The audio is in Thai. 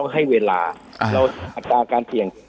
ให้เวลาเราอัตราการเสี่ยง